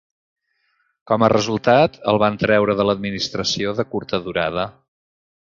Com a resultat, el van treure de l'administració de curta durada.